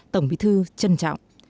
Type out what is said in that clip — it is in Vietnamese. tổng bí thư trân trọng